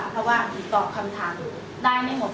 เพราะว่าหนูตอบคำถามได้ไม่หมด